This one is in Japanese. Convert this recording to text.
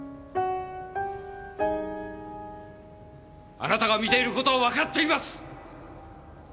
あなたが見ている事はわかっています！